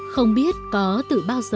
không biết có từ bao giờ